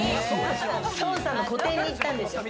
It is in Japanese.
双雲さんの個展に行ったんですよ。